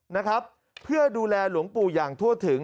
นะครับเพื่อดูแลหลวงปู่อย่างทั่วถึง